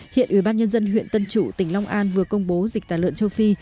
hiện ủy ban nhân dân huyện tân trụ tỉnh long an vừa công bố dịch tàn lợn châu phi